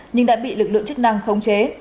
nhưng đã bị lực lượng chức năng khống chế